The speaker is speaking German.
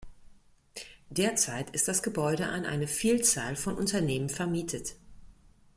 Derzeit ist das Gebäude an eine Vielzahl von Unternehmen vermietet.